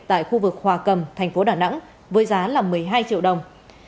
tại khu vực hòa cầm thành phố đà nẵng với giá là một mươi hai triệu đồng